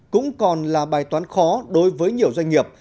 cũng còn là bài toán khó đối với nhiều doanh nghiệp